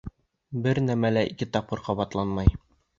— Бер нимә лә ике тапкыр ҡабатланмай.